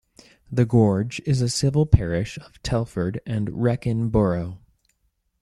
The Gorge is a civil parish of Telford and Wrekin borough.